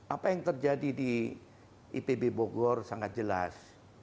apa yang terjadi di ipb bogor sangat jelas